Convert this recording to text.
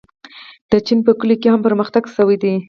د چین په کلیو کې هم پرمختګ شوی دی.